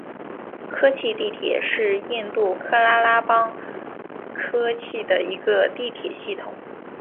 科契地铁是印度喀拉拉邦科契的一个地铁系统。